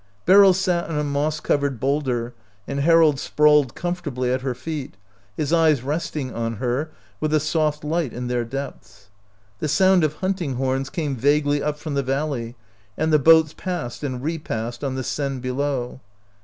Beryl sat on a moss covered boulder, and Harold sprawled comfortably at her feet, his eyes resting on her with a soft light in their depths. The sound of hunting horns came vaguely up from the valley, and the boats passed and repassed on the Seine below.